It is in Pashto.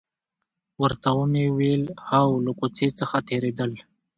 ورته ومې ویل: هو، له کوڅې څخه تېرېدل.